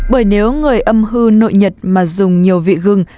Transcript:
bởi nếu người âm hưu nội nhật mà dùng nhiều vị gừng